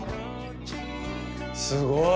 すごい！